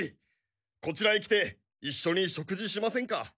こちらへ来ていっしょに食事しませんか。